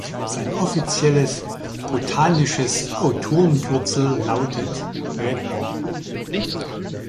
Sein offizielles botanisches Autorenkürzel lautet „Raper“.